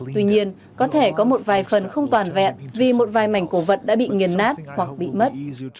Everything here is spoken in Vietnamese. tuy nhiên có thể có một vài phần không toàn vẹn vì một vài mảnh cổ vật đã bị nghiền nát hoặc bị mất